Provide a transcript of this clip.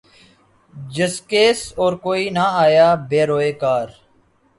جزقیس اور کوئی نہ آیا بہ روے کار